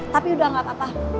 tapi udah gak apa apa